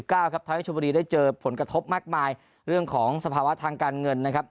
ทำให้ชมบุรีได้เจอผลกระทบมากมายเรื่องของสภาวะทางการเงินนะครับ